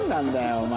お前。